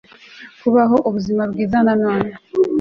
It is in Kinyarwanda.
kubaho ubuzima bwiza na none